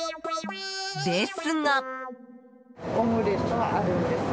ですが。